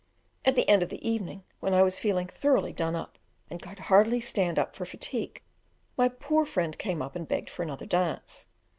At the end of the evening, when I was feeling thoroughly done up, and could hardly stand up for fatigue, my poor friend came up and begged for another dance.